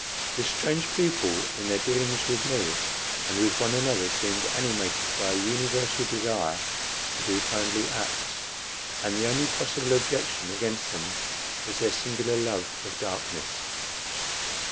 This strange people, in their dealings with me and with one another, seemed animated by a universal desire to do kindly acts; and the only possible objection against them was their singular love of darkness.